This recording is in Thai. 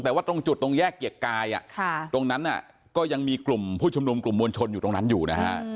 แต่ว่าตรงจุดตรงแยกเกียรติกายตรงนั้นก็ยังมีกลุ่มผู้ชุมนุมกลุ่มมวลชนอยู่ตรงนั้นอยู่นะฮะ